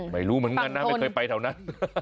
ไม่รู้เหมือนกันนะไม่เคยไปแถวนั้น